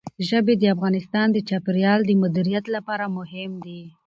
ژبې د افغانستان د چاپیریال د مدیریت لپاره مهم دي.